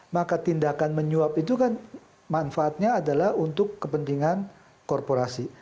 maka tindakan menyuap itu kan manfaatnya adalah untuk kepentingan korporasi